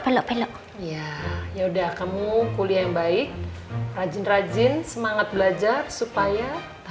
peluk peluk ya ya udah kamu kuliah yang baik rajin rajin semangat belajar supaya